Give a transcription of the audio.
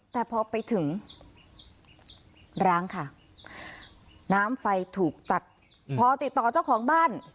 แต่พอไปถึงร้างค่ะน้ำไฟถูกตัดพอติดต่อเจ้าของบ้าน